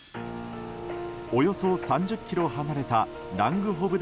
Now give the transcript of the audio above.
およそ３０ｋｍ離れたラングホブデ